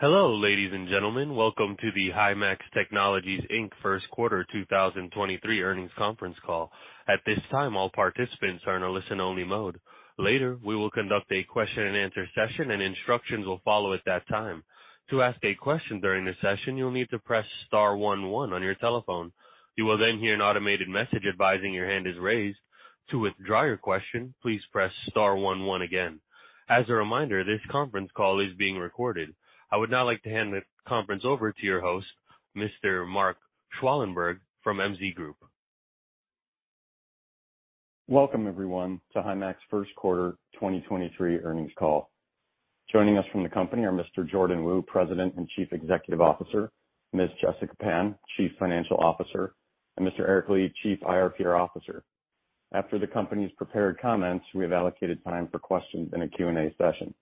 Hello, ladies and gentlemen. Welcome to the Himax Technologies, Inc. first quarter 2023 earnings conference call. At this time, all participants are in a listen-only mode. Later, we will conduct a question and answer session and instructions will follow at that time. To ask a question during this session, you'll need to press star one one on your telephone. You will then hear an automated message advising your hand is raised. To withdraw your question, please press star one one again. As a reminder, this conference call is being recorded. I would now like to hand the conference over to your host, Mr. Mark Schwalenberg from MZ Group. Welcome everyone to Himax first quarter 2023 earnings call. Joining us from the company are Mr. Jordan Wu, President and Chief Executive Officer, Ms. Jessica Pan, Chief Financial Officer, and Mr. Eric Li, Chief IR/PR Officer. After the company's prepared comments, we have allocated time for questions in a Q&A session.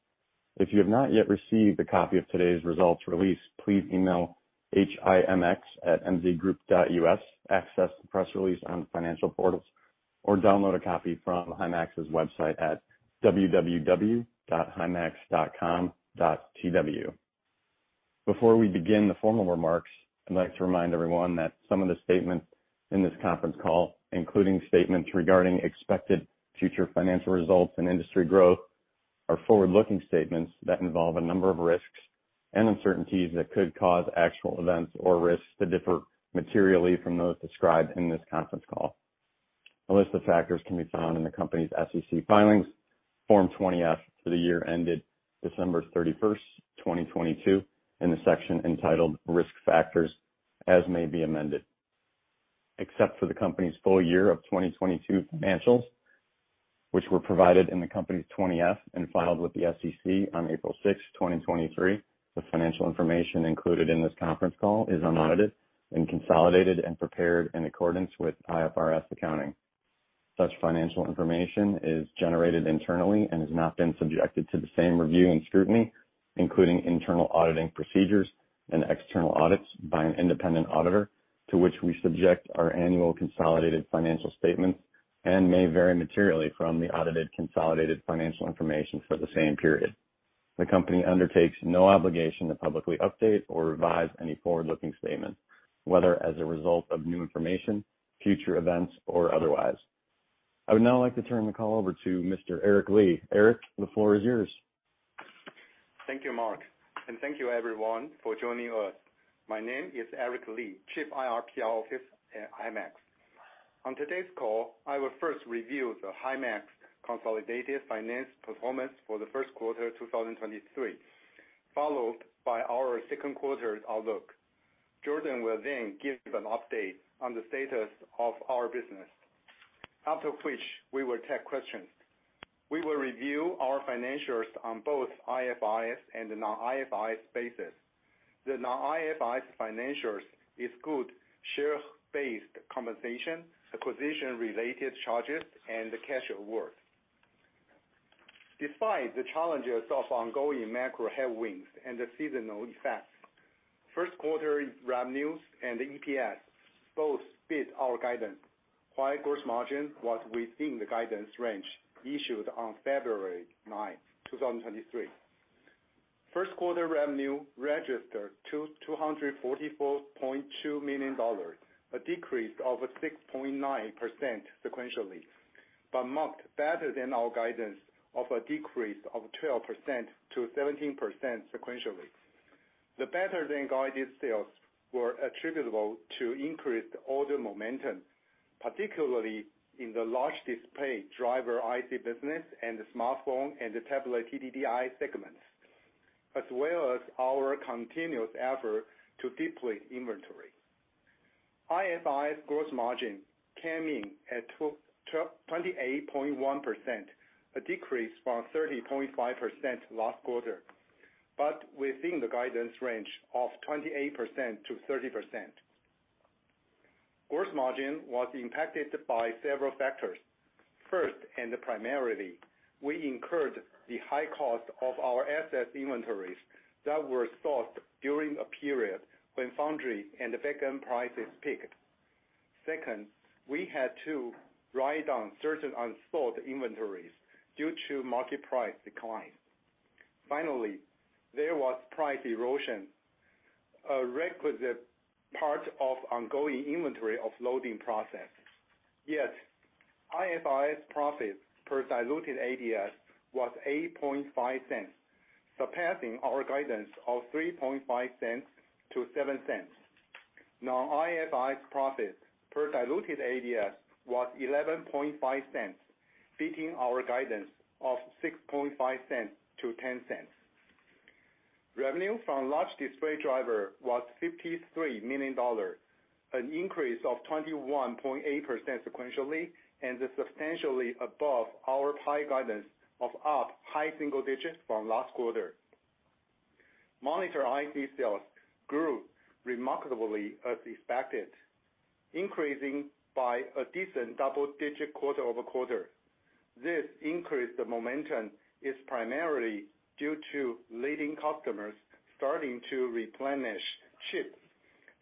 If you have not yet received a copy of today's results release, please email HIMX@mzgroup.us, access the press release on financial portals, or download a copy from Himax's website at www.himax.com.tw. Before we begin the formal remarks, I'd like to remind everyone that some of the statements in this conference call, including statements regarding expected future financial results and industry growth, are forward-looking statements that involve a number of risks and uncertainties that could cause actual events or risks to differ materially from those described in this conference call. A list of factors can be found in the company's SEC filings, Form 20-F for the year ended December 31, 2022, in the section entitled Risk Factors, as may be amended. Except for the company's full year of 2022 financials, which were provided in the company's 20-F and filed with the SEC on April 6, 2023, the financial information included in this conference call is unaudited and consolidated and prepared in accordance with IFRS accounting. Such financial information is generated internally and has not been subjected to the same review and scrutiny, including internal auditing procedures and external audits by an independent auditor to which we subject our annual consolidated financial statements and may vary materially from the audited consolidated financial information for the same period. The company undertakes no obligation to publicly update or revise any forward-looking statement, whether as a result of new information, future events, or otherwise. I would now like to turn the call over to Mr. Eric Li. Eric, the floor is yours. Thank you, Mark, and thank you everyone for joining us. My name is Eric Li, Chief IR/PR Officer at Himax. On today's call, I will first review the Himax consolidated finance performance for the first quarter 2023, followed by our second quarter outlook. Jordan will then give an update on the status of our business, after which we will take questions. We will review our financials on both IFRS and the non-IFRS basis. The non-IFRS financials exclude share-based compensation, acquisition-related charges and the cash award. Despite the challenges of ongoing macro headwinds and the seasonal effects, first quarter revenues and EPS both beat our guidance, while gross margin was within the guidance range issued on February 9th, 2023. First quarter revenue registered to $244.2 million, a decrease of 6.9% sequentially, marked better than our guidance of a decrease of 12%-17% sequentially. The better-than-guided sales were attributable to increased order momentum, particularly in the large display driver IC business and the smartphone and the tablet TDDI segments, as well as our continuous effort to deplete inventory. IFRS gross margin came in at 28.1%, a decrease from 30.5% last quarter, within the guidance range of 28%-30%. Gross margin was impacted by several factors. First, and primarily, we incurred the high cost of our asset inventories that were sourced during a period when foundry and the backend prices peaked. Second, we had to write down certain unsold inventories due to market price decline. Finally, there was price erosion, a requisite part of ongoing inventory offloading process. IFRS profit per diluted ADS was $0.085, surpassing our guidance of $0.035-$0.07. Non-IFRS profit per diluted ADS was $0.115, beating our guidance of $0.065-$0.10. Revenue from large display driver was $53 million, an increase of 21.8% sequentially and is substantially above our pie guidance of up high single digits from last quarter. Monitor IC sales grew remarkably as expected, increasing by a decent double-digit quarter-over-quarter. This increase of momentum is primarily due to leading customers starting to replenish chips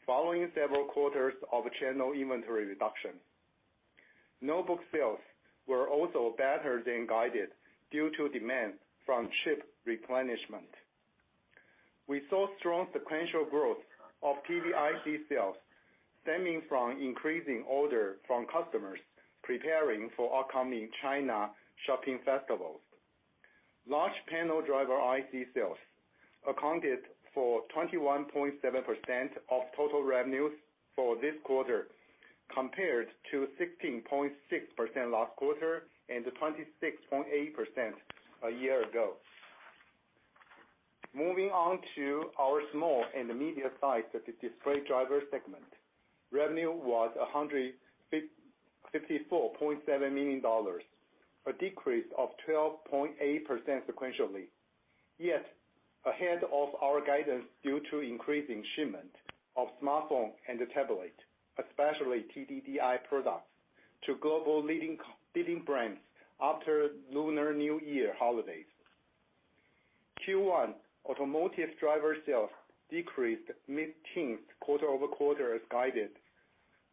following several quarters of channel inventory reduction. Notebook sales were also better than guided due to demand from chip replenishment. We saw strong sequential growth of TV IC sales stemming from increasing order from customers preparing for upcoming China shopping festivals. Large panel driver IC sales accounted for 21.7% of total revenues for this quarter, compared to 16.6% last quarter and 26.8% a year ago. Moving on to our small and the medium-sized display driver segment. Revenue was $154.7 million, a decrease of 12.8% sequentially. Ahead of our guidance due to increasing shipment of smartphone and tablet, especially TDDI products to global leading brands after Lunar New Year holidays. Q1 automotive driver sales decreased mid-teens quarter-over-quarter as guided.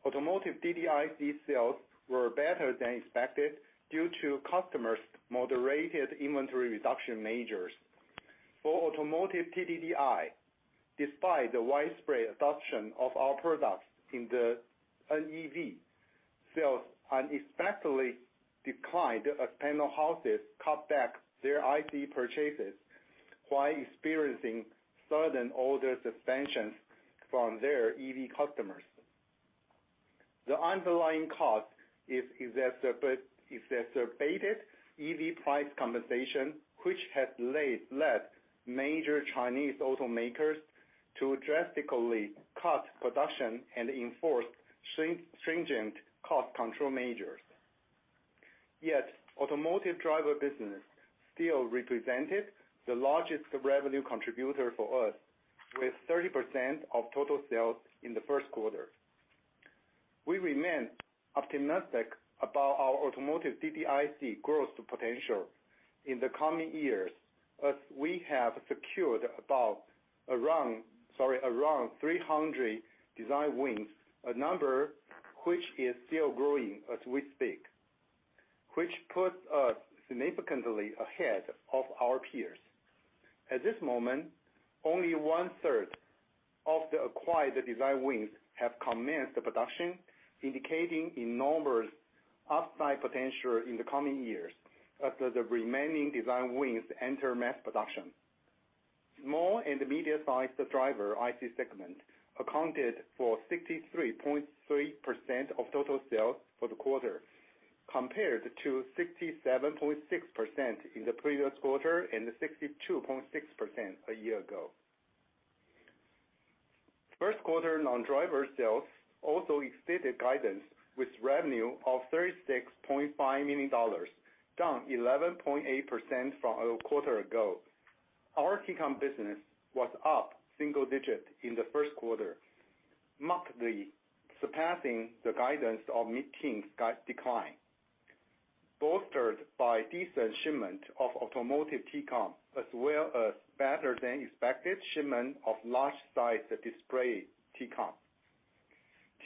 Automotive TDDI sales were better than expected due to customers' moderated inventory reduction measures. For automotive TDDI, despite the widespread adoption of our products in the NEV, sales unexpectedly declined as panel houses cut back their IT purchases while experiencing sudden order suspensions from their EV customers. The underlying cause is exacerbated EV price compensation, which has led major Chinese automakers to drastically cut production and enforce stringent cost control measures. Automotive driver business still represented the largest revenue contributor for us with 30% of total sales in the first quarter. We remain optimistic about our automotive TDDI growth potential in the coming years, as we have secured around 300 design wins. A number which is still growing as we speak. Which puts us significantly ahead of our peers. At this moment, only one-third of the acquired design wins have commenced the production, indicating enormous upside potential in the coming years as the remaining design wins enter mass production. Small and medium-sized driver IC segment accounted for 63.3% of total sales for the quarter, compared to 67.6% in the previous quarter and 62.6% a year ago. First quarter non-driver sales also exceeded guidance with revenue of $36.5 million, down 11.8% from a quarter ago. Our T-Con business was up single digit in the first quarter, markedly surpassing the guidance of mid-teens decline. Bolstered by decent shipment of automotive T-Con, as well as better than expected shipment of large size display T-Con.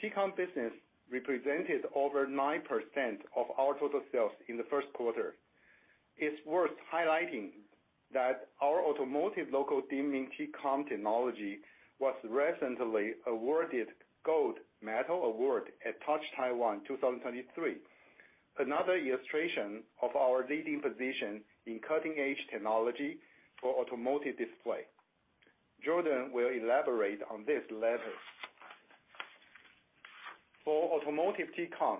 T-Con business represented over 9% of our total sales in the first quarter. It's worth highlighting that our automotive local dimming T-Con technology was recently awarded Gold Panel Award at Touch Taiwan 2023. Another illustration of our leading position in cutting-edge technology for automotive display. Jordan will elaborate on this later. For automotive T-Con,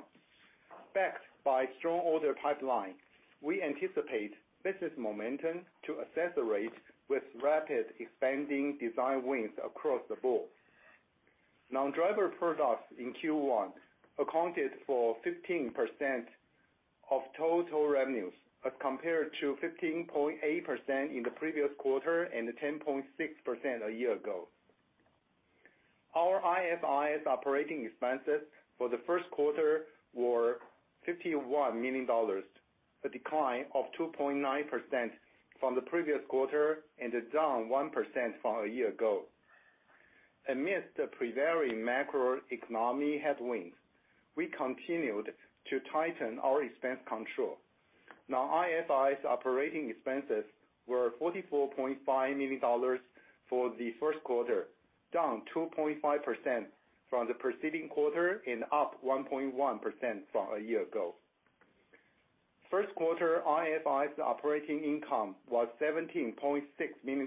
backed by strong order pipeline, we anticipate business momentum to accelerate with rapid expanding design wins across the board. Non-driver products in Q1 accounted for 15% of total revenues, as compared to 15.8% in the previous quarter, and 10.6% a year ago. Our IFRS operating expenses for the first quarter were $51 million, a decline of 2.9% from the previous quarter and down 1% from a year ago. Amidst the prevailing macroeconomic headwinds, we continued to tighten our expense control. IFRS operating expenses were $44.5 million for the first quarter, down 2.5% from the preceding quarter and up 1.1% from a year ago. First quarter, IFRS operating income was $17.6 million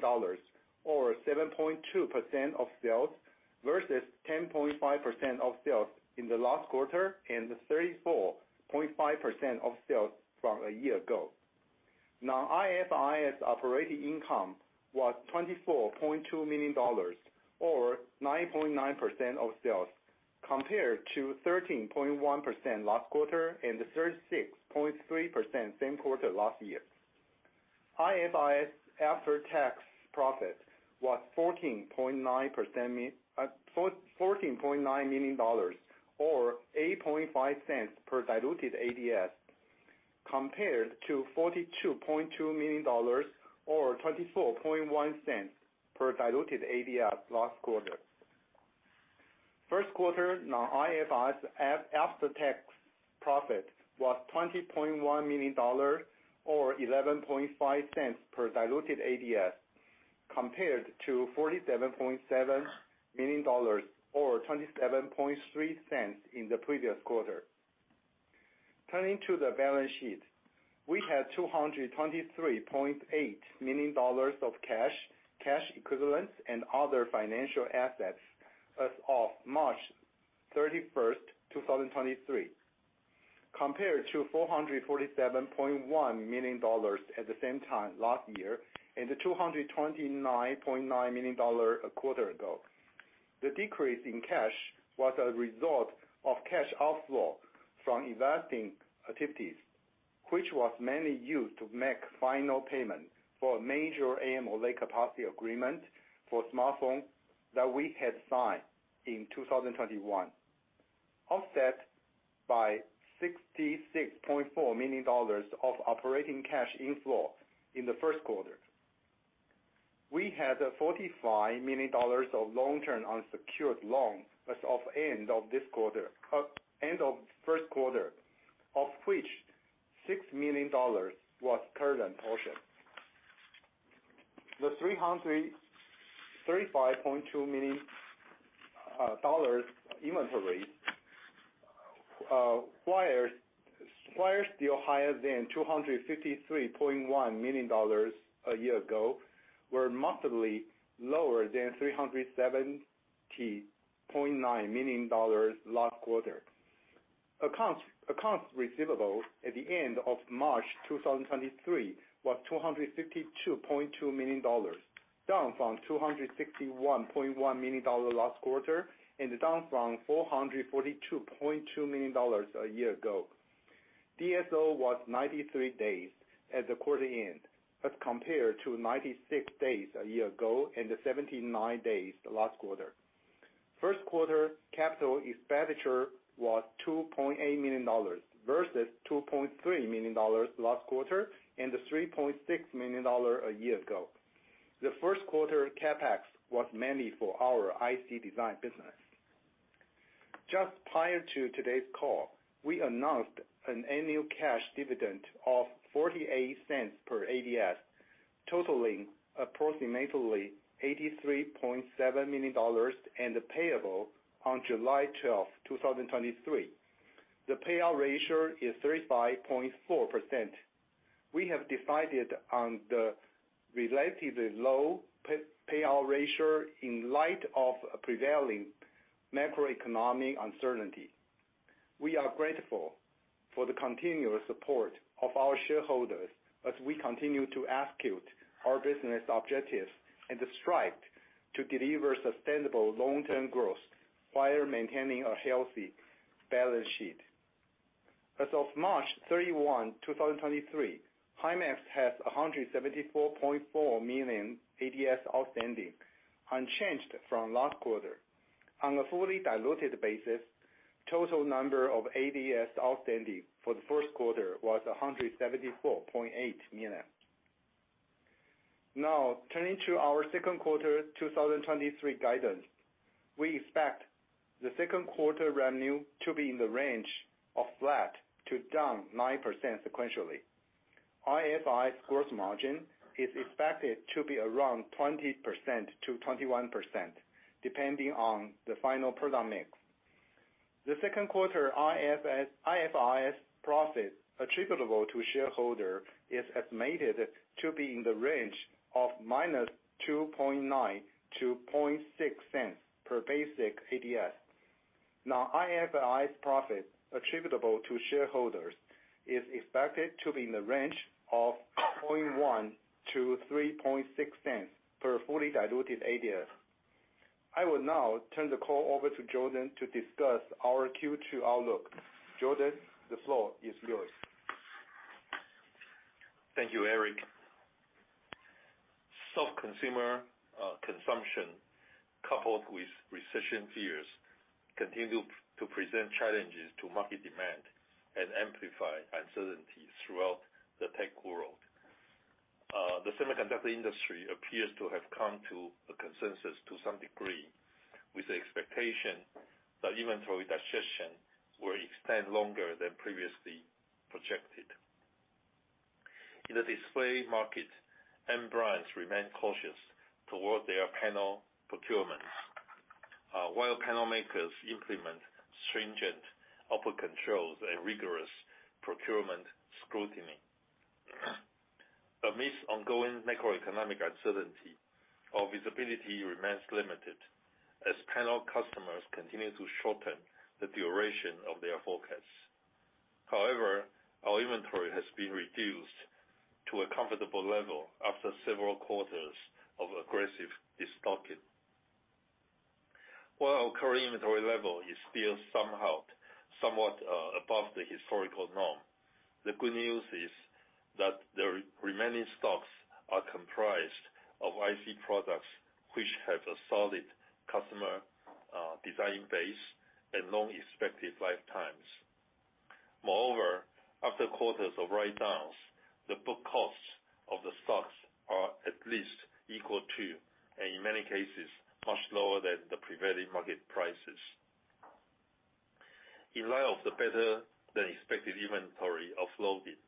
or 7.2% of sales versus 10.5% of sales in the last quarter and 34.5% of sales from a year ago. IFRS operating income was $24.2 million or 9.9% of sales, compared to 13.1% last quarter and 36.3% same quarter last year. IFRS after-tax profit was $14.9 million, or $0.085 per diluted ADS. Compared to $42.2 million or $0.241 per diluted ADS last quarter. First quarter non-IFRS after-tax profit was $20.1 million or $0.115 per diluted ADS, compared to $47.7 million or $0.273 in the previous quarter. Turning to the balance sheet. We had $223.8 million of cash equivalents, and other financial assets as of March 31, 2023. Compared to $447.1 million at the same time last year, and to $229.9 million dollar a quarter ago. The decrease in cash was a result of cash outflow from investing activities, which was mainly used to make final payment for a major AMOLED capacity agreement for smartphone that we had signed in 2021. Offset by $66.4 million of operating cash inflow in the first quarter. We had $45 million of long-term unsecured loans as of end of this quarter, end of first quarter, of which $6 million was current portion. The $335.2 million inventory, while still higher than $253.1 million a year ago, were markedly lower than $370.9 million last quarter. Accounts receivable at the end of March 2023 was $252.2 million, down from $261.1 million last quarter and down from $442.2 million a year ago. DSO was 93 days at the quarter end, as compared to 96 days a year ago and 79 days last quarter. First quarter capital expenditure was $2.8 million, versus $2.3 million last quarter and $3.6 million a year ago. The first quarter CapEx was mainly for our IC design business. Just prior to today's call, we announced an annual cash dividend of $0.48 per ADS, totaling approximately $83.7 million and payable on July 12th, 2023. The payout ratio is 35.4%. We have decided on the relatively low payout ratio in light of prevailing macroeconomic uncertainty. We are grateful for the continuous support of our shareholders as we continue to execute our business objectives and strive to deliver sustainable long-term growth while maintaining a healthy balance sheet. As of March 31st, 2023, Himax has 174.4 million ADS outstanding, unchanged from last quarter. On a fully diluted basis, total number of ADS outstanding for the first quarter was $174.8 million. Turning to our second quarter 2023 guidance. We expect the second quarter revenue to be in the range of flat to down 9% sequentially. IFRS gross margin is expected to be around 20%-21%, depending on the final product mix. The second quarter IFRS profit attributable to shareholder is estimated to be in the range of -$0.029-$0.006 per basic ADS. IFRS profit attributable to shareholders is expected to be in the range of $0.001-$0.036 per fully diluted ADS. I will now turn the call over to Jordan to discuss our Q2 outlook. Jordan, the floor is yours. Thank you, Eric. Soft consumer consumption, coupled with recession fears, continue to present challenges to market demand and amplify uncertainty throughout the tech world. The semiconductor industry appears to have come to a consensus to some degree, with the expectation that inventory digestion will extend longer than previously projected. In the display market, end brands remain cautious toward their panel procurements, while panel makers implement stringent output controls and rigorous procurement scrutiny. Amidst ongoing macroeconomic uncertainty, our visibility remains limited as panel customers continue to shorten the duration of their forecasts. However, our inventory has been reduced to a comfortable level after several quarters of aggressive destocking. While our current inventory level is still somewhat above the historical norm, the good news is that many stocks are comprised of IC products which have a solid customer design base and long expected lifetimes. After quarters of write-downs, the book costs of the stocks are at least equal to, and in many cases, much lower than the prevailing market prices. In light of the better-than-expected inventory offloading,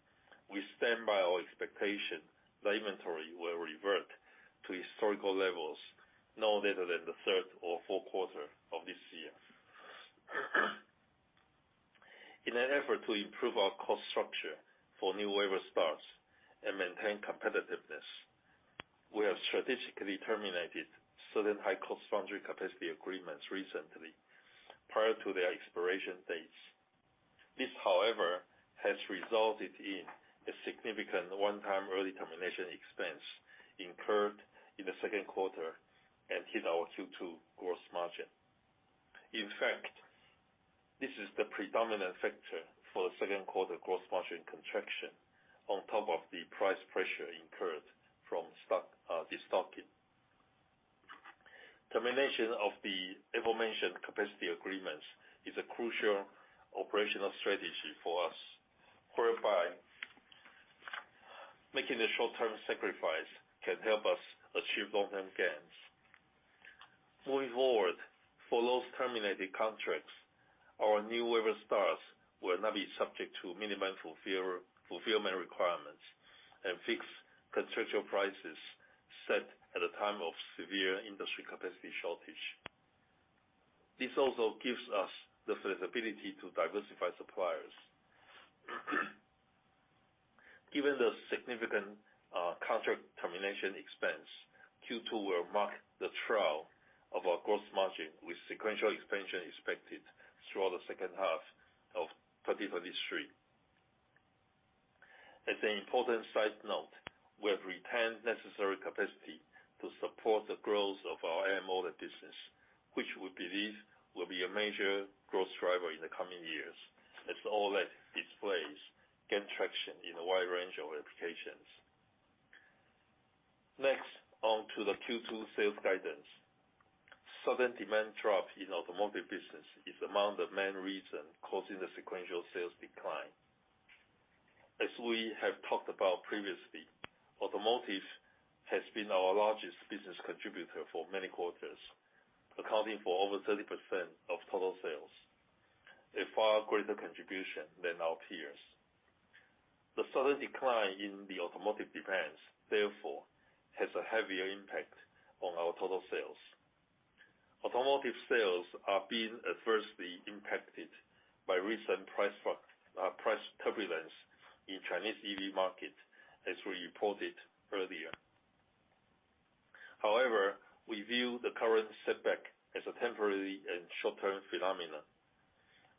we stand by our expectation the inventory will revert to historical levels no later than the third or fourth quarter of this year. In an effort to improve our cost structure for new wafer starts and maintain competitiveness, we have strategically terminated certain high-cost foundry capacity agreements recently prior to their expiration dates. This, however, has resulted in a significant one-time early termination expense incurred in the second quarter and hit our Q2 gross margin. This is the predominant factor for the second quarter gross margin contraction on top of the price pressure incurred from stock destocking. Termination of the aforementioned capacity agreements is a crucial operational strategy for us, whereby making a short-term sacrifice can help us achieve long-term gains. Moving forward, for those terminated contracts, our new waiver starts will not be subject to minimum fulfillment requirements and fixed contractual prices set at a time of severe industry capacity shortage. This also gives us the flexibility to diversify suppliers. Given the significant contract termination expense, Q2 will mark the trough of our gross margin with sequential expansion expected through the second half of 2023. As an important side note, we have retained necessary capacity to support the growth of our AMOLED business, which we believe will be a major growth driver in the coming years as OLED displays gain traction in a wide range of applications. Next, on to the Q2 sales guidance. Sudden demand drop in automotive business is among the main reason causing the sequential sales decline. As we have talked about previously, automotive has been our largest business contributor for many quarters, accounting for over 30% of total sales, a far greater contribution than our peers. The sudden decline in the automotive demands, therefore, has a heavier impact on our total sales. Automotive sales are being adversely impacted by recent price turbulence in Chinese EV market, as we reported earlier. However, we view the current setback as a temporary and short-term phenomena.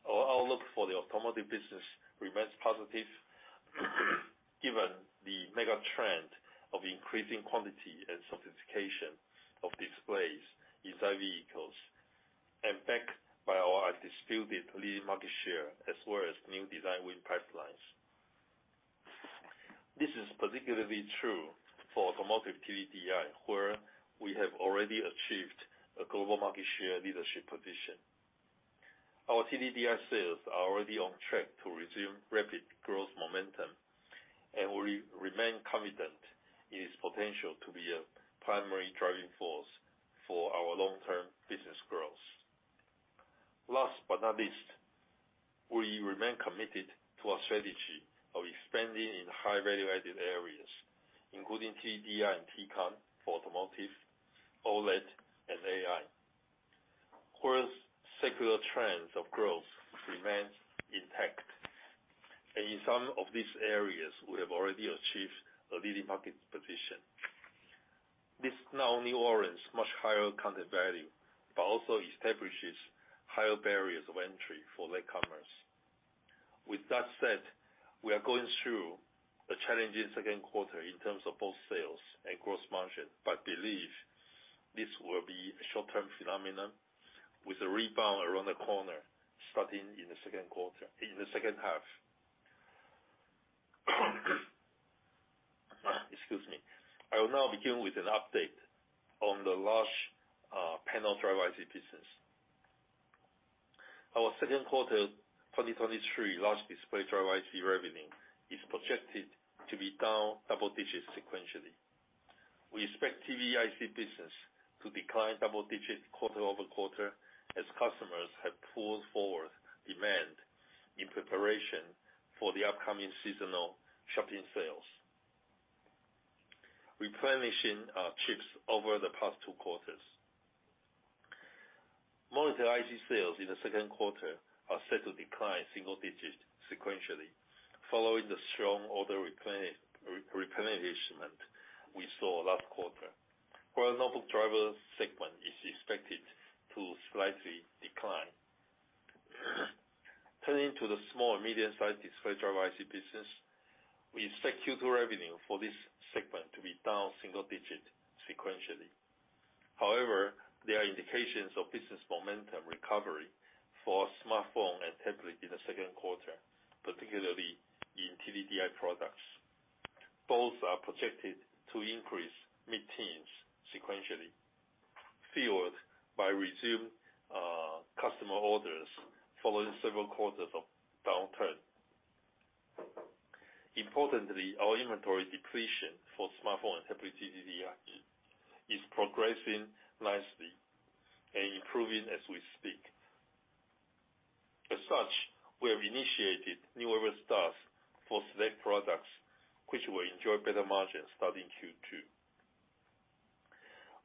Our outlook for the automotive business remains positive, given the mega trend of increasing quantity and sophistication of displays inside vehicles and backed by our undisputed leading market share, as well as new design win pipelines. This is particularly true for automotive TDDI, where we have already achieved a global market share leadership position. Our TDDI sales are already on track to resume rapid growth momentum. We remain confident in its potential to be a primary driving force for our long-term business growth. Last but not least, we remain committed to our strategy of expanding in high value-added areas, including TDI and T-Con for automotive, OLED, and AI. Core secular trends of growth remains intact. In some of these areas, we have already achieved a leading market position. This not only warrants much higher content value, but also establishes higher barriers of entry for latecomers. With that said, we are going through a challenging second quarter in terms of both sales and gross margin, but believe this will be a short-term phenomenon with a rebound around the corner starting in the second half. Excuse me. I will now begin with an update on the large panel driver IC business. Our second quarter 2023 large display driver IC revenue is projected to be down double digits sequentially. We expect TDIC business to decline double digits quarter-over-quarter as customers have pulled forward demand in preparation for the upcoming seasonal shopping sales, replenishing chips over the past two quarters. Monitor IC sales in the second quarter are set to decline single digits sequentially following the strong order replenishment we saw last quarter, where notebook driver segment is expected to slightly decline. Turning to the small and medium-sized display driver IC business, we expect Q2 revenue for this segment to be down single digit sequentially. However, there are indications of business momentum recovery for smartphone and tablet in the second quarter, particularly in TDDI products. Both are projected to increase mid-teens sequentially, fueled by resumed customer orders following several quarters of downturn. Importantly, our inventory depletion for smartphone and tablet TDDI is progressing nicely and improving as we speak. As such, we have initiated new wafer starts for select products which will enjoy better margins starting Q2.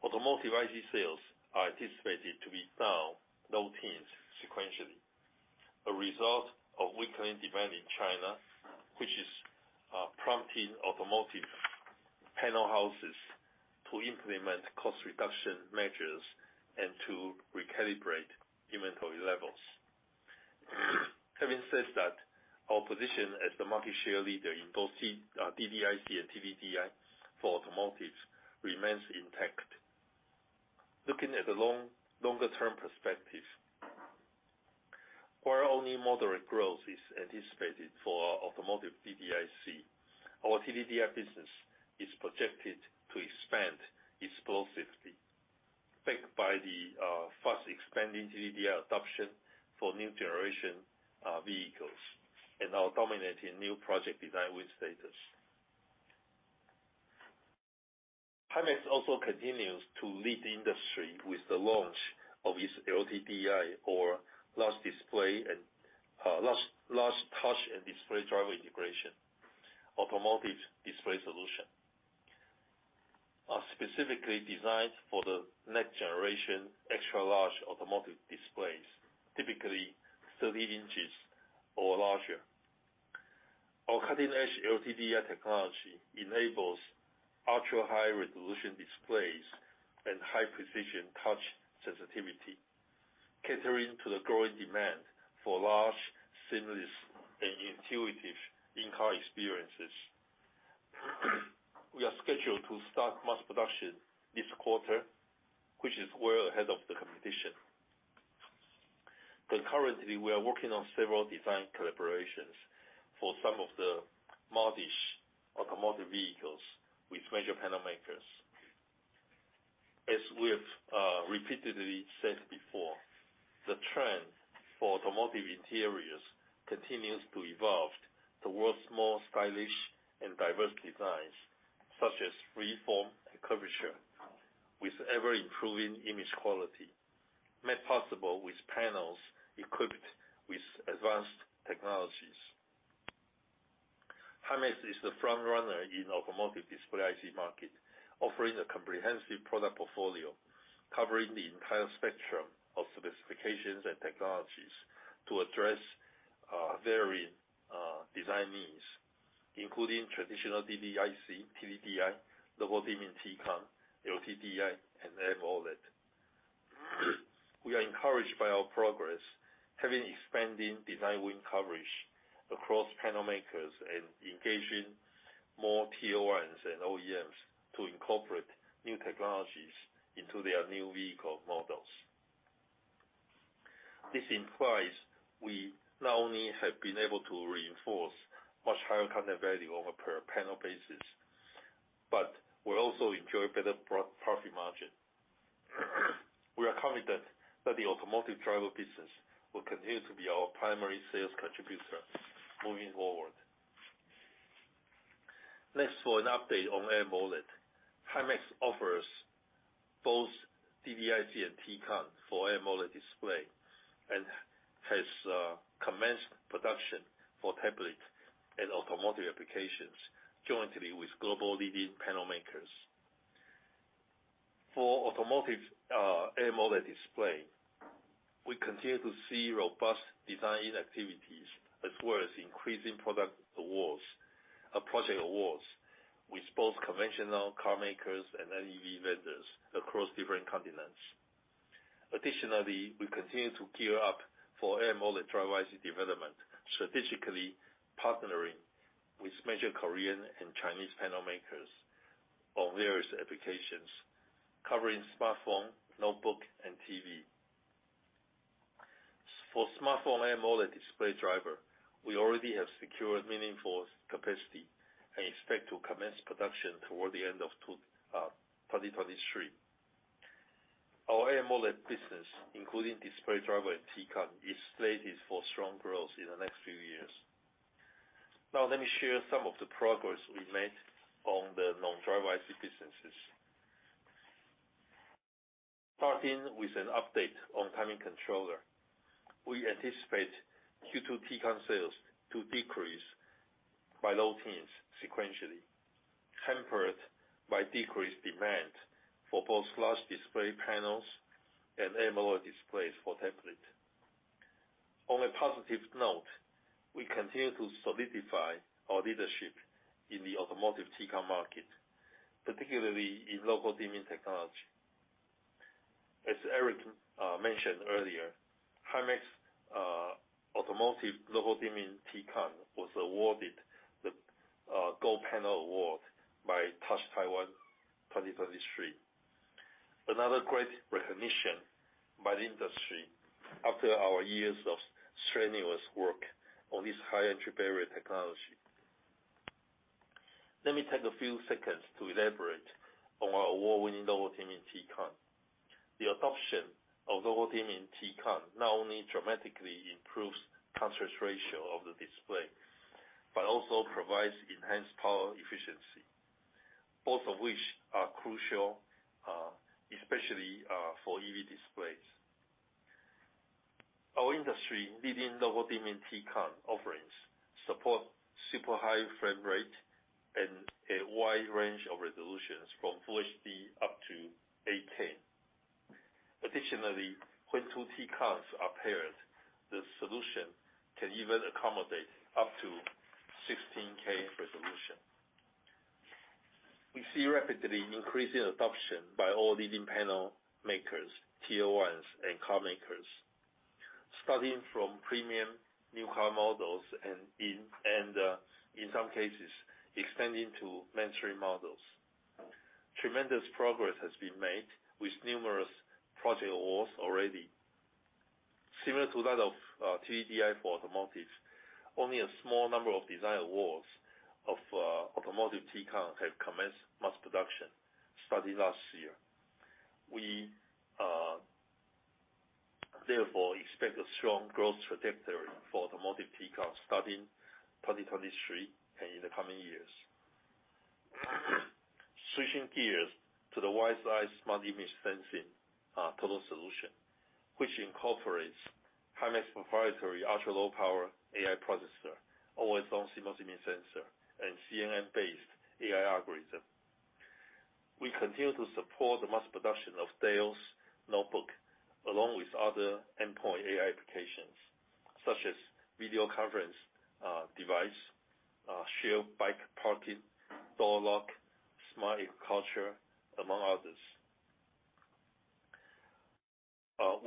Automotive IC sales are anticipated to be down low teens sequentially, a result of weakening demand in China, which is prompting automotive panel houses to implement cost reduction measures and to recalibrate inventory levels. Having said that, our position as the market share leader in both DDIC and TDDI for automotives remains intact. Looking at the longer-term perspective, where only moderate growth is anticipated for our automotive DDIC, our TDDI business is projected to expand explosively, backed by the fast expanding TDDI adoption for new generation vehicles and our dominating new project design win status. Himax also continues to lead the industry with the launch of its LTDI or large display and large touch and display driver integration. Automotive display solution are specifically designed for the next generation extra-large automotive displays, typically 30 inches or larger. Our cutting-edge LTDI technology enables ultra-high resolution displays and high precision touch sensitivity, catering to the growing demand for large, seamless, and intuitive in-car experiences. We are scheduled to start mass production this quarter, which is well ahead of the competition. Concurrently, we are working on several design collaborations for some of the marquee automotive vehicles with major panel makers. As we have repeatedly said before, the trend for automotive interiors continues to evolve towards more stylish and diverse designs, such as free-form and curvature, with ever-improving image quality, made possible with panels equipped with advanced technologies. Himax is the front runner in automotive display IC market, offering a comprehensive product portfolio, covering the entire spectrum of specifications and technologies to address varying design needs, including traditional DDIC, TDDI, local dimming T-Con, LTDI, and AMOLED. We are encouraged by our progress, having expanding design win coverage across panel makers and engaging more Tier 1s and OEMs to incorporate new technologies into their new vehicle models. This implies we not only have been able to reinforce much higher content value on a per panel basis, but we also enjoy better pro- profit margin. We are confident that the automotive driver business will continue to be our primary sales contributor moving forward. Next, for an update on AMOLED. Himax offers both DDIC and T-Con for AMOLED display and has commenced production for tablet and automotive applications jointly with global leading panel makers. For automotive AMOLED display, we continue to see robust design-in activities as well as increasing project awards with both conventional car makers and NEV vendors across different continents. Additionally, we continue to gear up for AMOLED driver IC development, strategically partnering with major Korean and Chinese panel makers on various applications covering smartphone, notebook, and TV. For smartphone AMOLED display driver, we already have secured meaningful capacity and expect to commence production toward the end of 2023. Our AMOLED business, including display driver and T-Con, is slated for strong growth in the next few years. Let me share some of the progress we made on the non-driver IC businesses. Starting with an update on timing controller. We anticipate Q2 T-Con sales to decrease by low teens sequentially, tempered by decreased demand for both large display panels and AMOLED displays for tablet. We continue to solidify our leadership in the automotive T-Con market, particularly in local dimming technology. As Eric Li mentioned earlier, Himax automotive local dimming T-Con was awarded the Gold Panel Award by Touch Taiwan 2023. Another great recognition by the industry after our years of strenuous work on this high entry-barrier technology. Let me take a few seconds to elaborate on our award-winning local dimming T-Con. The adoption of local dimming T-Con not only dramatically improves contrast ratio of the display, but also provides enhanced power efficiency, both of which are crucial, especially for EV displays. Our industry-leading local dimming T-Con offerings support super high frame rate and a wide range of resolutions from Full HD up to 8K. Additionally, when two T-Cons are paired, the solution can even accommodate up to 16K resolution. We see rapidly increasing adoption by all leading panel makers, Tier 1s and car makers. Starting from premium new car models and, uh, in some cases, extending to mainstream models. Tremendous progress has been made with numerous project awards already. Similar to that of TDDI for automotive, only a small number of design awards of automotive T-Con have commenced mass production starting last year. We therefore expect a strong growth trajectory for automotive T-Con starting 2023 and in the coming years. Switching gears to the WiseEye smart image sensing total solution, which incorporates Himax proprietary ultra-low power AI processor, always-on CMOS image sensor, and CNN-based AI algorithm. We continue to support the mass production of Dell's notebook along with other endpoint AI applications, such as video conference device, shared bike parking, door lock, smart agriculture, among others.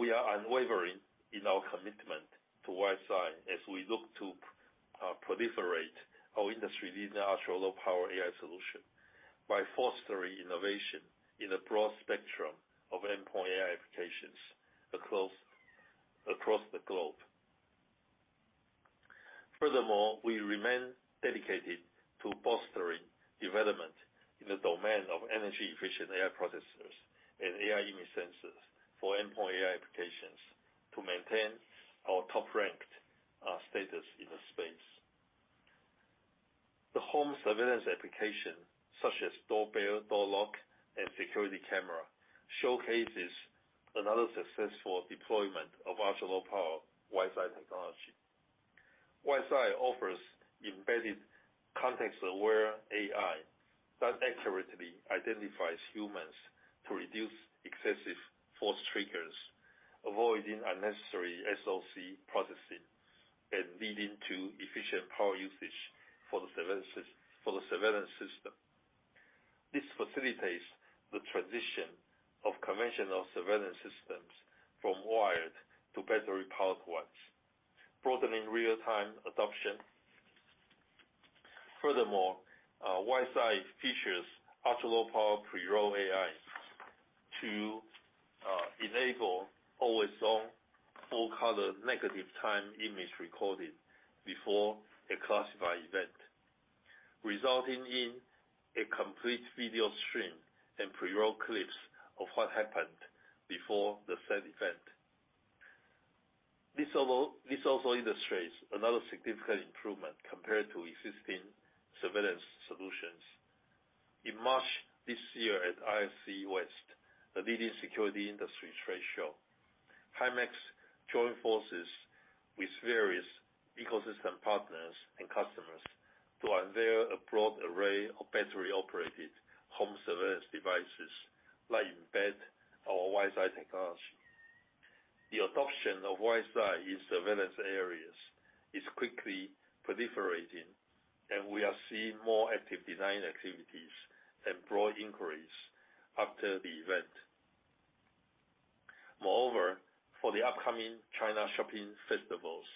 We are unwavering in our commitment to WiseEye as we look to proliferate our industry-leading ultra-low power AI solution by fostering innovation in a broad spectrum of endpoint AI applications across the globe. Furthermore, we remain dedicated to bolstering development in the domain of energy-efficient AI processors and AI image sensors for endpoint AI applications to maintain our top-ranked status in the space. The home surveillance application, such as doorbell, door lock, and security camera, showcases another successful deployment of ultra-low power WiseEye technology. WiseEye offers embedded context-aware AI that accurately identifies humans to reduce excessive false triggers, avoiding unnecessary SoC processing and leading to efficient power usage for the surveillance system. This facilitates the transition of conventional surveillance systems from wired to battery-powered ones, broadening real-time adoption. Furthermore, WiseEye features ultra-low power pre-roll AI to enable always-on, full-color negative time image recording before a classified event, resulting in a complete video stream and pre-roll clips of what happened before the said event. This also illustrates another significant improvement compared to existing surveillance solutions. In March this year at ISC West, the leading security industry trade show, Himax joined forces with various ecosystem partners and customers to unveil a broad array of battery-operated home surveillance devices that embed our WiseEye technology. The adoption of WiseEye in surveillance areas is quickly proliferating, and we are seeing more active design activities and broad inquiries after the event. Moreover, for the upcoming China shopping festivals,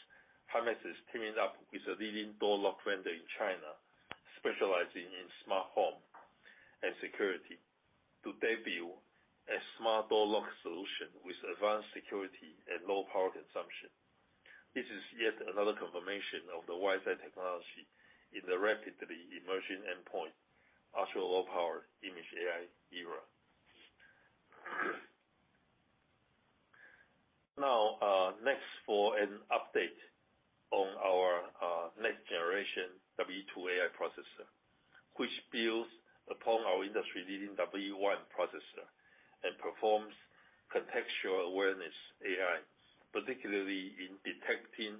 Himax is teaming up with a leading door lock vendor in China specializing in smart home and security to debut a smart door lock solution with advanced security and low power consumption. This is yet another confirmation of the WiseEye technology in the rapidly emerging endpoint ultra-low power image AI era. Now, next for an update on our next generation WE2 AI processor, which builds upon our industry-leading WE1 processor and performs contextual awareness AI, particularly in detecting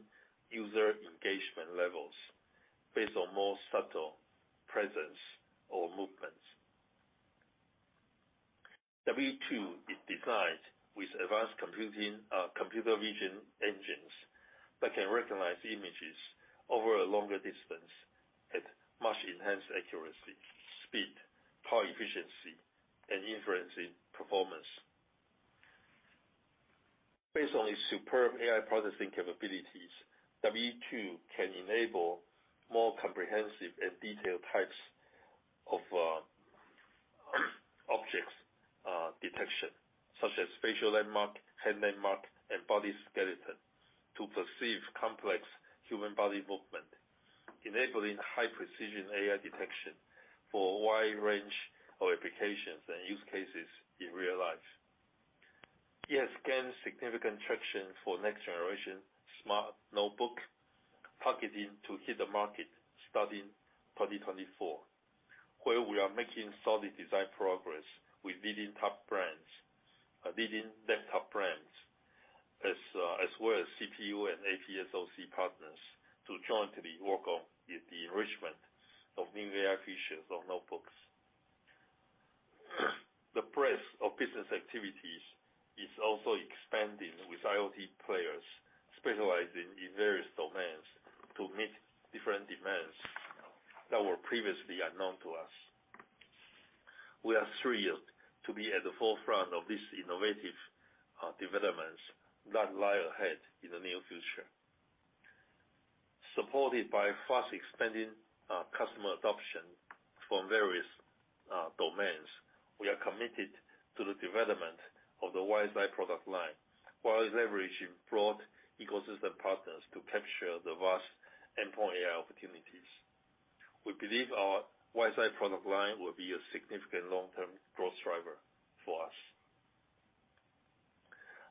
user engagement levels based on more subtle presence or movements. WE2 is designed with advanced computing, computer vision engines that can recognize images over a longer distance at much enhanced accuracy, speed, power efficiency, and inferencing performance. Based on its superb AI processing capabilities, WE2 can enable more comprehensive and detailed types of objects detection, such as facial landmark, hand landmark, and body skeleton to perceive complex human body movement, enabling high-precision AI detection for a wide range of applications and use cases in real life. We have gained significant traction for next-generation smart notebook targeting to hit the market starting 2024, where we are making solid design progress with leading laptop brands as well as CPU and AP SoC partners to jointly work on the enrichment of new AI features of notebooks. The breadth of business activities is also expanding with IoT players specializing in various domains to meet different demands that were previously unknown to us. We are thrilled to be at the forefront of these innovative developments that lie ahead in the near future. Supported by fast-expanding customer adoption from various domains, we are committed to the development of the WiseEye product line while leveraging broad ecosystem partners to capture the vast endpoint AI opportunities. We believe our WiseEye product line will be a significant long-term growth driver for us.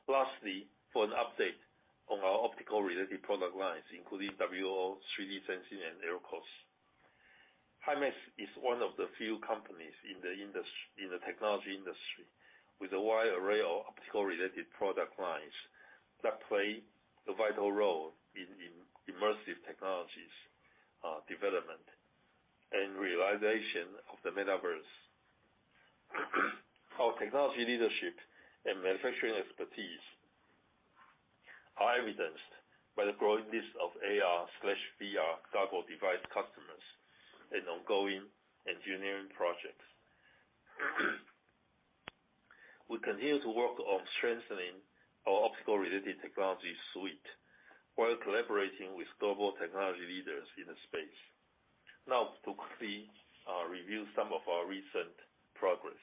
Lastly, for an update on our optical-related product lines, including WLO, 3D sensing, and LCoS. Himax is one of the few companies in the technology industry with a wide array of optical-related product lines that play a vital role in immersive technologies, development and realization of the metaverse. Our technology leadership and manufacturing expertise are evidenced by the growing list of AR/VR goggle device customers and ongoing engineering projects. We continue to work on strengthening our optical-related technology suite while collaborating with global technology leaders in the space. To quickly review some of our recent progress.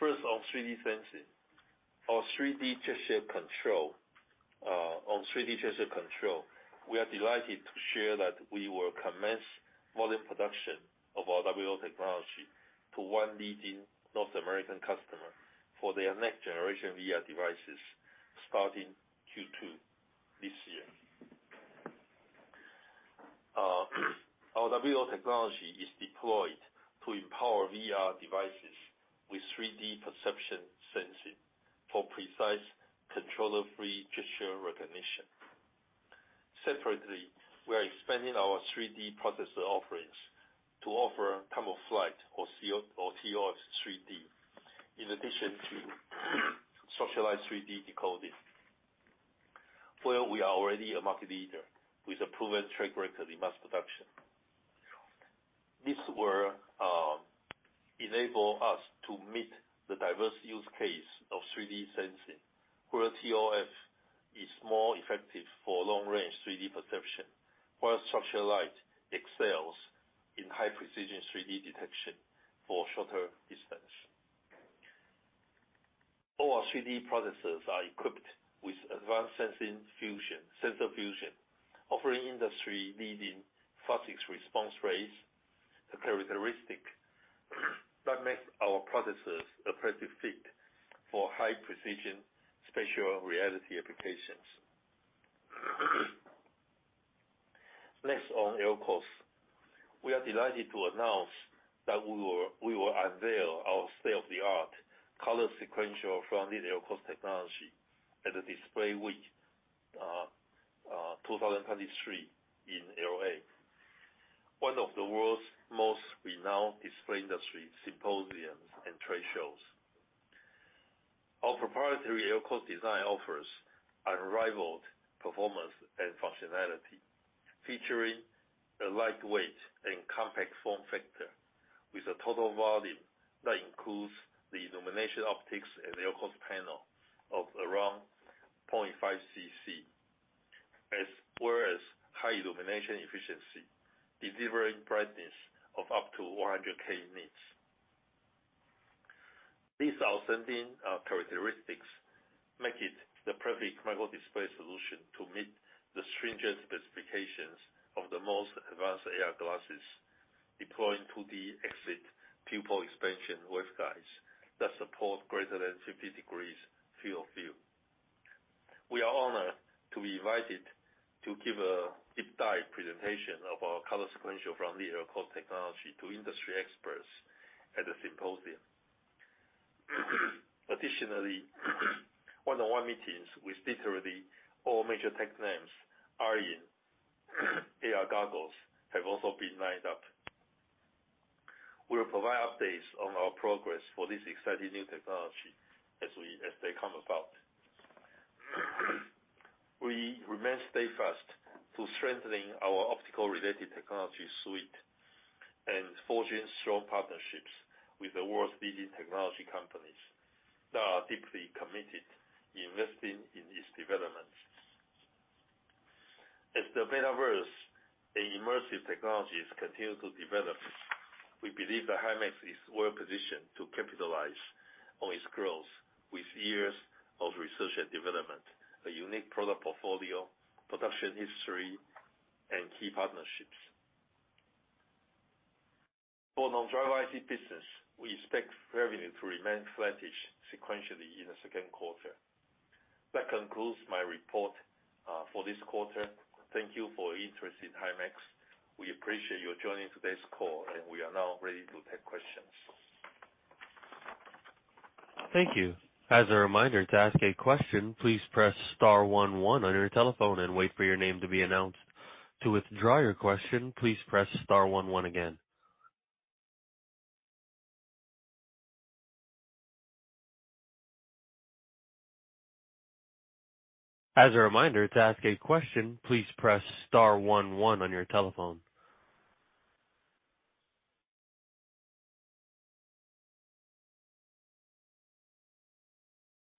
First, on 3D sensing. Our 3D gesture control. On 3D gesture control, we are delighted to share that we will commence volume production of our WLO technology to one leading North American customer for their next-generation VR devices starting Q2 this year. Our WLO technology is deployed to empower VR devices with 3D perception sensing for precise controller-free gesture recognition. Separately, we are expanding our 3D processor offerings to offer time-of-flight or ToF 3D, in addition to structured light 3D decoding. Where we are already a market leader with a proven track record in mass production. These will enable us to meet the diverse use case of 3D sensing, where ToF is more effective for long-range 3D perception, while structured light excels in high-precision 3D detection for shorter distance. All our 3D processors are equipped with advanced sensor fusion, offering industry-leading physics response rates, a characteristic that makes our processors a perfect fit for high-precision spatial reality applications. Next, on LCoS. We are delighted to announce that we will unveil our state-of-the-art color sequential Front-lit LCoS technology at the Display Week 2023 in L.A., one of the world's most renowned display industry symposiums and trade shows. Our proprietary LCoS design offers unrivaled performance and functionality, featuring a lightweight and compact form factor with a total volume that includes the illumination optics and LCoS panel of around 0.5 cc, as well as high illumination efficiency, delivering brightness of up to 100K nits. These outstanding characteristics make it the perfect microdisplay solution to meet the stringent specifications of the most advanced AR glasses, deploying 2D exit pupil expansion waveguides that support greater than 50 degrees field view. We are honored to be invited to give a deep dive presentation of our color sequential Front-lit LCoS technology to industry experts at the symposium. Additionally, one-on-one meetings with literally all major tech names are in. AR goggles have also been lined up. We'll provide updates on our progress for this exciting new technology as they come about. We remain steadfast to strengthening our optical-related technology suite and forging strong partnerships with the world's leading technology companies that are deeply committed investing in its development. As the metaverse and immersive technologies continue to develop, we believe that Himax is well-positioned to capitalize on its growth with years of research and development, a unique product portfolio, production history, and key partnerships. For non-driver IC business, we expect revenue to remain flattish sequentially in the second quarter. That concludes my report for this quarter. Thank you for your interest in Himax. We appreciate you joining today's call, and we are now ready to take questions. Thank you. As a reminder, to ask a question, please press star one one on your telephone and wait for your name to be announced. To withdraw your question, please press star one one again. As a reminder, to ask a question, please press star one one on your telephone.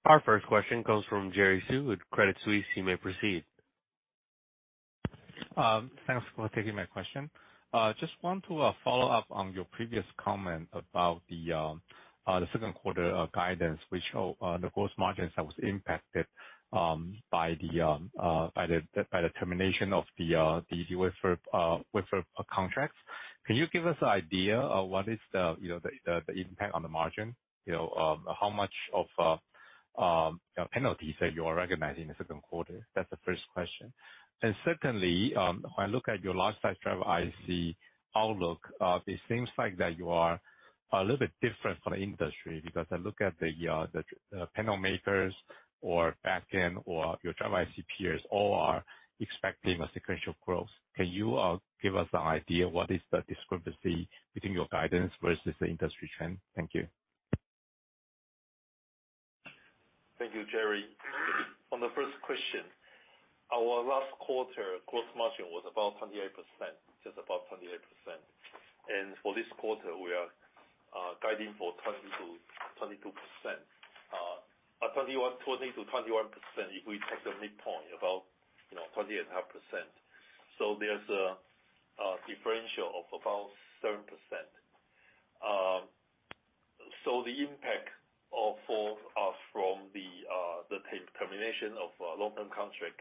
Our first question comes from Jerry Su with Credit Suisse. You may proceed. Thanks for taking my question. Just want to follow up on your previous comment about the second quarter guidance, which on the gross margins that was impacted by the termination of the wafer contracts. Can you give us an idea of what is the, you know, the impact on the margin? You know, how much of, you know, penalties are you recognizing in the second quarter? That's the first question. Secondly, when I look at your large-size driver IC outlook, it seems like that you are a little bit different from the industry because I look at the panel makers or back-end or your driver IC peers all are expecting a sequential growth. Can you give us an idea what is the discrepancy between your guidance versus the industry trend? Thank you. Thank you, Jerry. On the first question, our last quarter gross margin was about 28%, just about 28%. For this quarter, we are guiding for 20%-22%. Or 21%, 20%-21% if we take the midpoint about, you know, 20.5%. There's a differential of about 7%. The impact of, for, from the termination of long-term contract,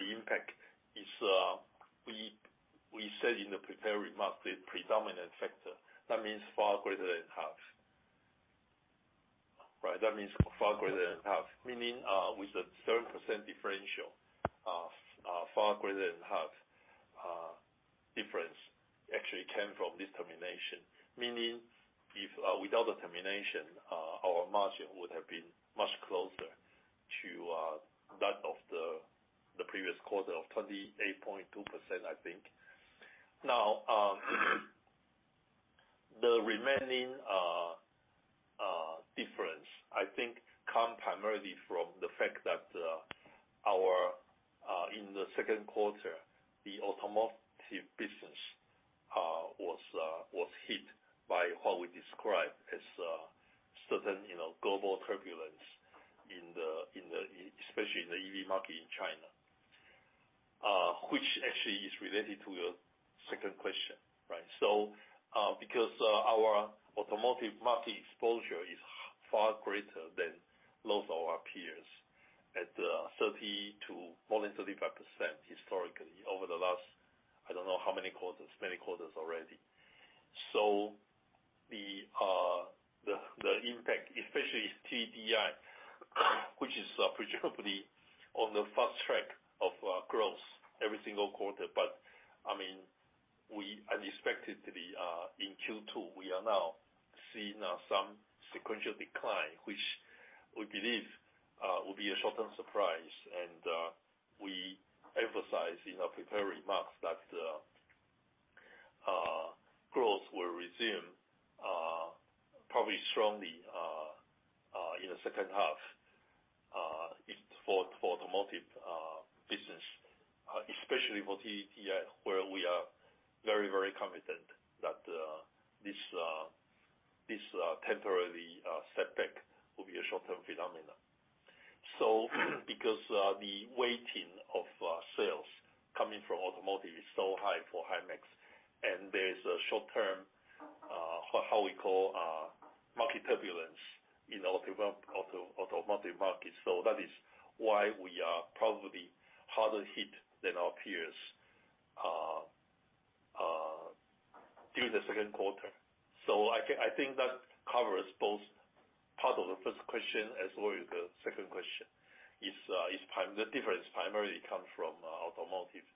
the impact is, we said in the prepared remarks the predominant factor, that means far greater than half. Right? That means far greater than half. Meaning, with the 7% differential, far greater than half, difference actually came from this termination. Meaning if, without the termination, our margin would have been much closer to that of the previous quarter of 28.2%, I think. The remaining difference, I think come primarily from the fact that our in the second quarter, the automotive business was hit by what we describe as certain, you know, global turbulence in the especially in the EV market in China. Which actually is related to your second question, right? Because our automotive market exposure is far greater than most of our peers at 30%-35% historically over the last, I don't know how many quarters, many quarters already. The impact, especially TDI, which is presumably on the fast track of growth every single quarter. I mean, we unexpected to be in Q2, we are now seeing some sequential decline, which we believe will be a short-term surprise. We emphasize in our prepared remarks that growth will resume probably strongly in the second half if for automotive business. Especially for TDDI where we are very, very confident that this temporarily setback will be a short-term phenomenon. Because the weighting of sales coming from automotive is so high for Himax, and there is a short-term, how we call, market turbulence in automotive market. That is why we are probably harder hit than our peers during the second quarter. I think that covers both part of the first question as well as the second question. It's the difference primarily come from automotive.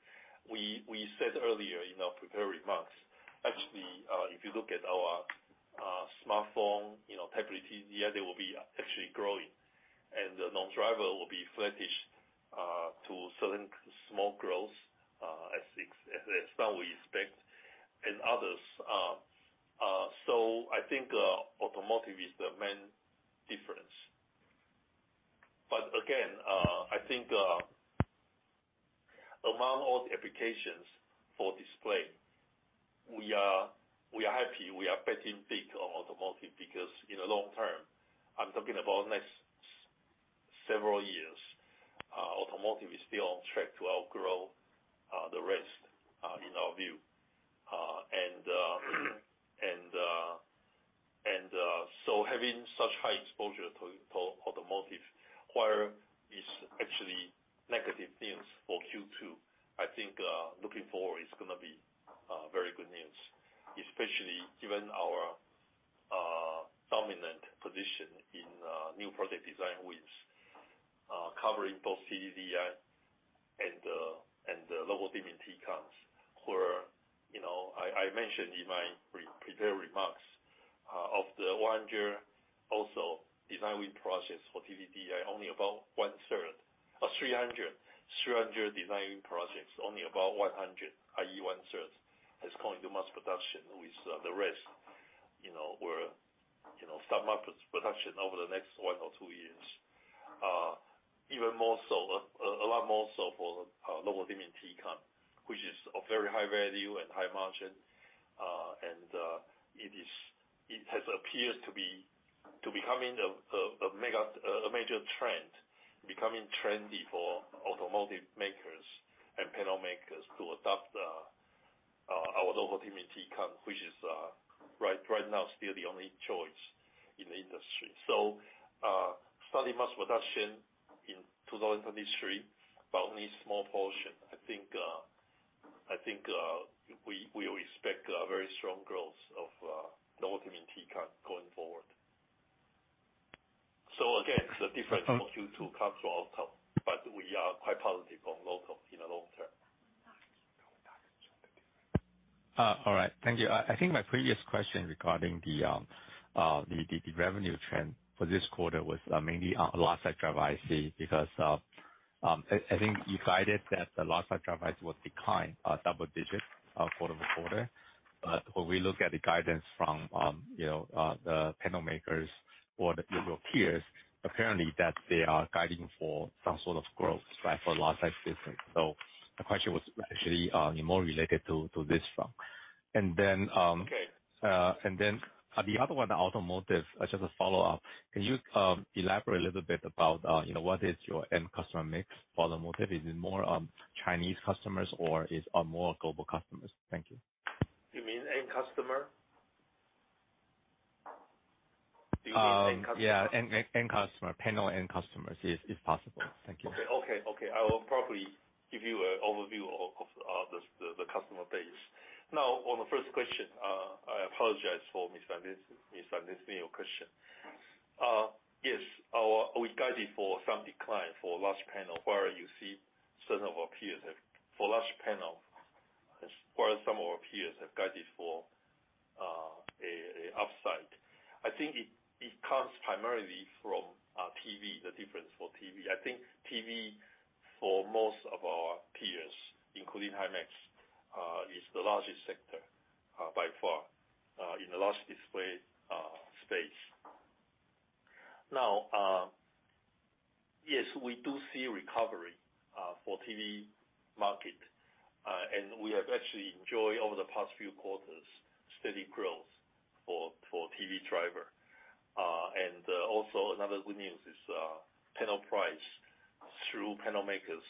We said earlier in our prepared remarks, actually, if you look at our smartphone, you know, tablet PCs, yeah, they will be actually growing. The non-driver will be flattish to certain small growth as some we expect, and others. I think automotive is the main difference. Again, I think among all the applications for display, we are happy. We are betting big on automotive because in the long term, I'm talking about next several years, automotive is still on track to outgrow the rest in our view. Having such high exposure to automotive while is actually negative news for Q2. I think, looking forward is gonna be very good news, especially given our dominant position in new product design wins, covering both TDDI and local dimming TCONs. Where, you know, I mentioned in my pre-prepared remarks, of the one year also design win projects for TDDI, only about one third. 300 designing projects, only about 100, i.e. one third, is going to mass production with the rest, you know, will, you know, start mass production over the next one or two years. Even more so, a lot more so for local dimming TCON, which is a very high value and high margin, and it is, it has appeared to be becoming a major trend, becoming trendy for automotive makers and panel makers to adopt our local dimming TCON which is right now still the only choice in the industry. Starting mass production in 2023, but only a small portion. I think we expect a very strong growth of local dimming TCON going forward. Again, the difference of Q2 comes from auto, but we are quite positive on local TCON in the long term. All right. Thank you. I think my previous question regarding the revenue trend for this quarter was mainly on large-size driver IC because I think you guided that the large-size driver IC would decline double digits quarter-over-quarter. When we look at the guidance from, you know, the panel makers or your peers, apparently that they are guiding for some sort of growth, right? For large-size business. The question was actually more related to this front. And then. Okay. The other one, the automotive, just a follow-up. Can you elaborate a little bit about, you know, what is your end customer mix for automotive? Is it more Chinese customers or are more global customers? Thank you. You mean end customer? Do you mean end customer? Yeah, end customer. Panel end customers, if possible. Thank you. Okay. I will probably give you an overview of the customer base. On the first question, I apologize for misunderstanding your question. Yes. We guided for some decline for large panel, where you see some of our peers have, for large panel, while some of our peers have guided for a upside. I think it comes primarily from TV, the difference for TV. I think TV, for most of our peers, including Himax, is the largest sector by far in the large display space. Yes, we do see recovery for TV market. We have actually enjoyed over the past few quarters steady growth for TV driver. Also another good news is panel price through panel makers,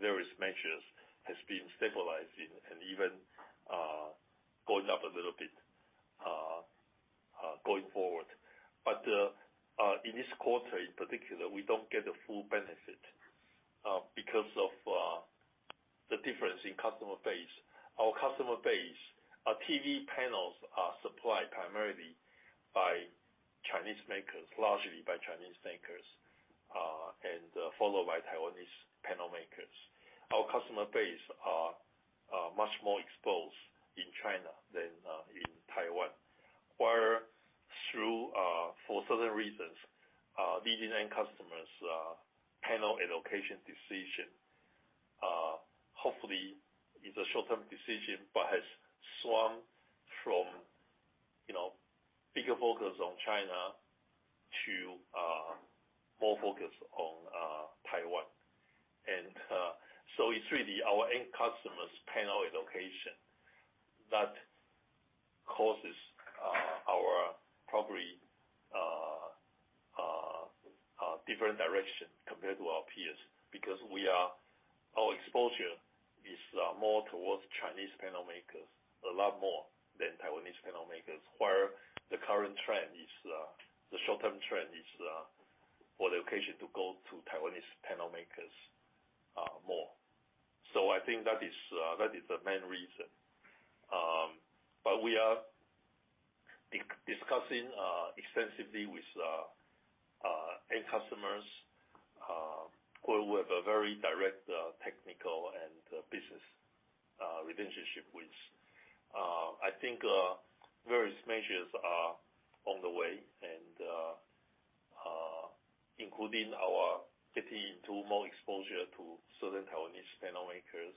various measures has been stabilizing and even going up a little bit going forward. In this quarter in particular, we don't get the full benefit because of the difference in customer base. Our customer base, our TV panels are supplied primarily by Chinese makers, largely by Chinese makers, and followed by Taiwanese panel makers. Our customer base are much more exposed in China than in Taiwan. Where through for certain reasons, these end customers, panel allocation decision, hopefully is a short-term decision, but has swung from, you know, bigger focus on China to more focus on Taiwan. It's really our end customers' panel allocation that causes our probably a different direction compared to our peers, because we are, our exposure is more towards Chinese panel makers, a lot more than Taiwanese panel makers. Where the current trend is, the short-term trend is for the allocation to go to Taiwanese panel makers more. I think that is that is the main reason. We are discussing extensively with end customers. We're with a very direct technical and business relationship with. I think various measures are on the way, including our getting into more exposure to certain Taiwanese panel makers,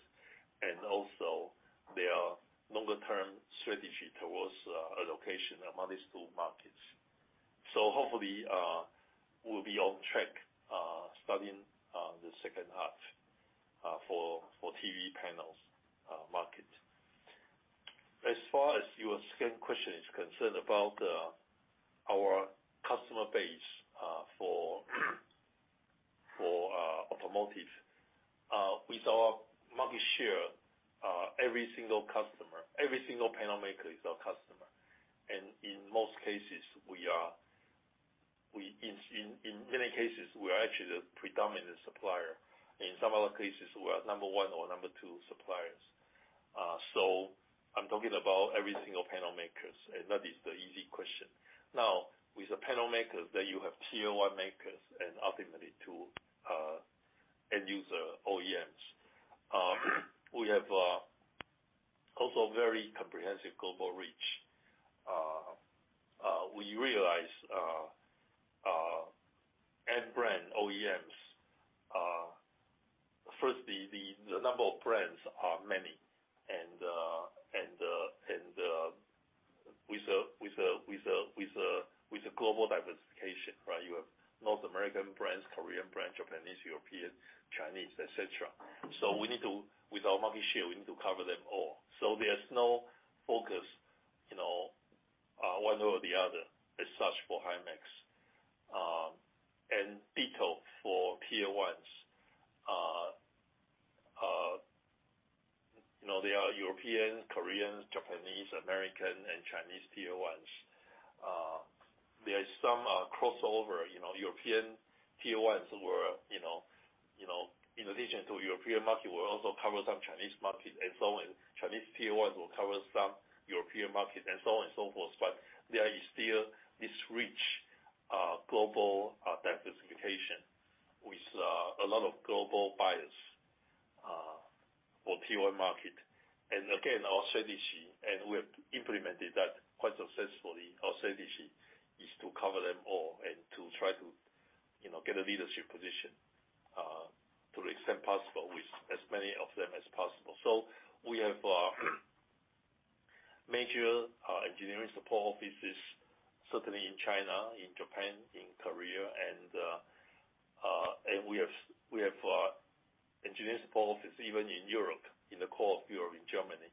and also their longer-term strategy towards allocation among these two markets. Hopefully, we'll be on track starting the second half for TV panels market. As far as your second question is concerned about our customer base for automotive. With our market share, every single customer, every single panel maker is our customer. In most cases, in many cases, we are actually the predominant supplier. In some other cases, we are number one or number two suppliers. I'm talking about every single panel makers, and that is the easy question. With the panel makers, then you have tier 1 makers and ultimately to end user OEMs. We have also very comprehensive global reach. We realize end brand OEMs. First, the number of brands are many, and with a global diversification, right? You have North American brands, Korean brands, Japanese, European, Chinese, et cetera. With our market share, we need to cover them all. There's no focus, you know, one way or the other as such for Himax, and ditto for tier ones. You know, there are European, Koreans, Japanese, American, and Chinese tier ones. There is some crossover, you know, European tier ones who are, in addition to European market, we also cover some Chinese market and so on. Chinese tier ones will cover some European market and so on and so forth. There is still this rich, global diversification with a lot of global buyers for tier one market. Again, our strategy, and we have implemented that quite successfully. Our strategy is to cover them all and to try to, you know, get a leadership position to the extent possible with as many of them as possible. We have major engineering support offices certainly in China, in Japan, in Korea, and we have engineering support office even in Europe, in the core of Europe, in Germany,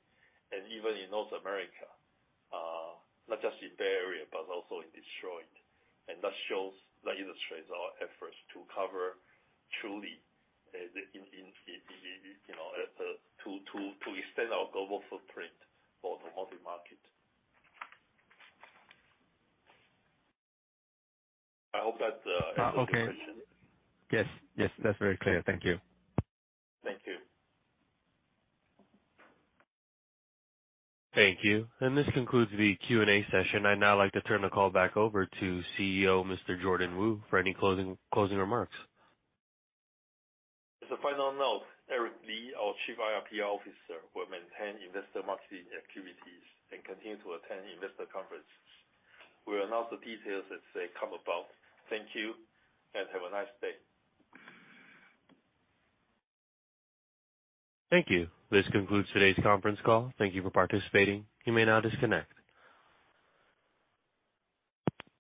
and even in North America. Not just in Bay Area, but also in Detroit. That shows, that illustrates our efforts to cover truly, in, in, you know, to extend our global footprint for the automotive market. I hope that answers your question. Okay. Yes, that's very clear. Thank you. Thank you. Thank you. This concludes the Q&A session. I'd now like to turn the call back over to CEO, Mr. Jordan Wu, for any closing remarks. As a final note, Eric Li, our Chief IR/PR Officer, will maintain investor marketing activities and continue to attend investor conferences. We'll announce the details as they come about. Thank you, and have a nice day. Thank you. This concludes today's conference call. Thank you for participating. You may now disconnect.